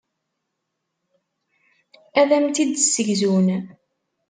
Ad am-tt-id-ssegzun.